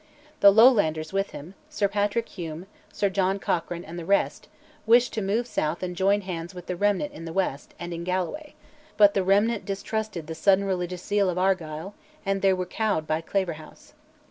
The Lowlanders with him, Sir Patrick Hume, Sir John Cochrane, and the rest, wished to move south and join hands with the Remnant in the west and in Galloway; but the Remnant distrusted the sudden religious zeal of Argyll, and were cowed by Claverhouse.